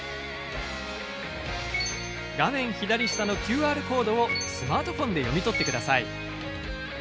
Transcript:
画面左下のＱＲコードをスマートフォンで読み取ってください。